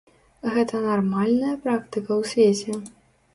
Гэта нармальная практыка ў свеце?